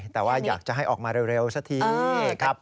แต่ว่าอยากจะให้ออกมาเร็วสักทีครับ